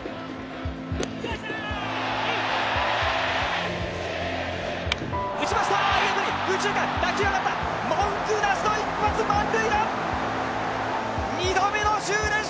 よっしゃー打ちましたいい当たり右中間打球上がった文句なしの一発満塁打２度目の１０連勝